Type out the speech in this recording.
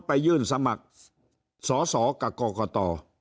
ไปยื่นสมัครสสกับกต